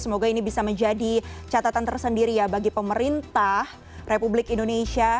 semoga ini bisa menjadi catatan tersendiri ya bagi pemerintah republik indonesia